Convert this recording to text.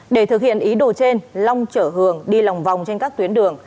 để thực hiện ý đồ trên long chở hường đi lòng vòng trên các tuyến đường